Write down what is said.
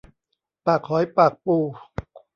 ปากหอยปากปู